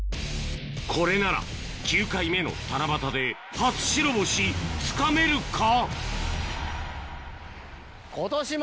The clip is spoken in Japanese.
これなら９回目の七夕で初白星つかめるか？